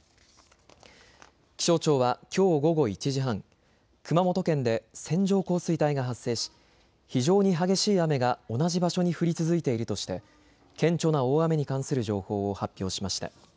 気象庁はきょう午後１時半、熊本県で線状降水帯が発生し非常に激しい雨が同じ場所に降り続いているとして顕著な大雨に関する情報を発表しました。